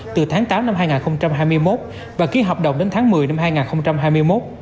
từ tháng tám năm hai nghìn hai mươi một và ký hợp đồng đến tháng một mươi năm hai nghìn hai mươi một